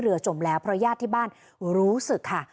จมแล้วเพราะญาติที่บ้านรู้สึกค่ะ